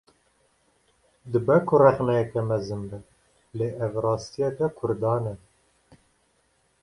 Dibe ku rexneyeke mezin be, lê ev rastiyeke Kurdan e